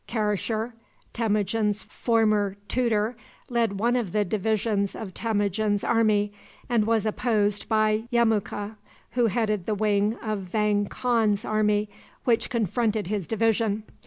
Karasher, Temujin's former tutor, led one of the divisions of Temujin's army, and was opposed by Yemuka, who headed the wing of Vang Khan's army which confronted his division.